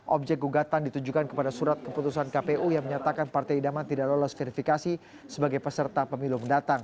objek gugatan ditujukan kepada surat keputusan kpu yang menyatakan partai idaman tidak lolos verifikasi sebagai peserta pemilu mendatang